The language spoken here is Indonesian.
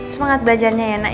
semangat belajarnya ya nek